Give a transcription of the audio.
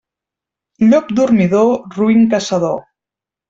Llop dormidor, roín caçador.